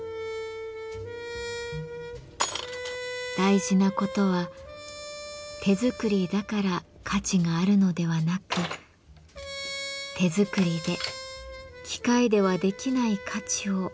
大事なことは手作りだから価値があるのではなく手作りで機械ではできない価値を生み出すこと。